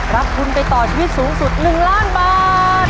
รับทุนไปต่อชีวิตสูงสุด๑ล้านบาท